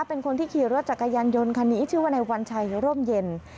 เป็นคนที่ขี่รถจักรยานยนต์คันนี้ชื่อว่าในวัญชัยร่มเย็น